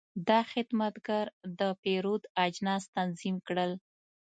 دا خدمتګر د پیرود اجناس تنظیم کړل.